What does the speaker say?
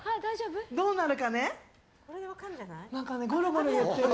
どうなるかね。